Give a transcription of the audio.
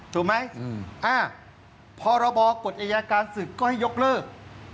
ถูกไหมพรบกฎอายการศึกก็ให้ยกเลิก